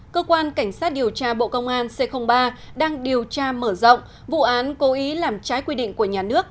cơ quan cảnh sát điều tra bộ công an c ba đang điều tra mở rộng vụ án cố ý làm trái quy định của nhà nước